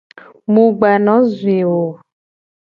Mu gba no zui wo o.